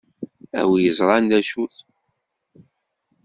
A wi iẓṛan dacu-t.